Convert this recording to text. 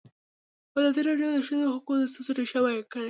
ازادي راډیو د د ښځو حقونه د ستونزو رېښه بیان کړې.